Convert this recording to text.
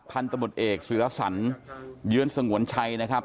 พันธุ์ตมุทรเอกสวิราษันเยื้อนสงวนชัยนะครับ